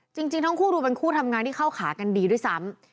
จริงทั้งคู่ดูเป็นคู่ทำงานที่เข้าขากันดีด้วยซ้ำ